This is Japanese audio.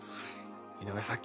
井上さん